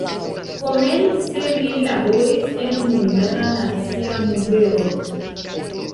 Komence li laboris en Hungara Nacia Muzeo.